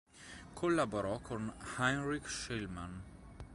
Collaborò con Heinrich Schliemann.